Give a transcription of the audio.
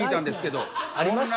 ありました？